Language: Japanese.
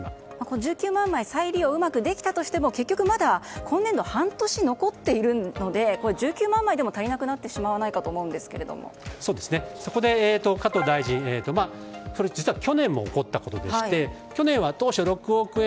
１９万枚、再利用がうまくできたとしても結局まだ今年度は半年残っているので、１９万枚でも足りなくなってしまうとそこで加藤大臣実は去年も起こったことでして去年は当初６億円